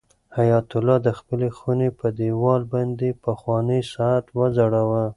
حیات الله د خپلې خونې په دېوال باندې پخوانی ساعت وځړاوه.